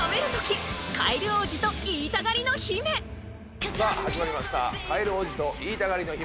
バラエティさあ始まりました「カエル王子と言いたがりの姫」